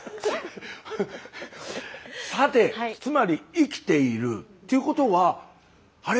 さてつまり「生きている」っていうことはあれ？